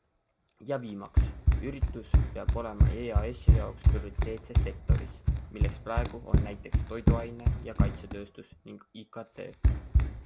Ja viimaks - üritus peab olema EASi jaoks prioriteetses sektoris, milleks praegu on näiteks toiduaine- ja kaitsetööstus ning IKT.